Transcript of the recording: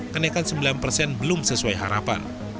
kenaikan sembilan persen belum sesuai harapan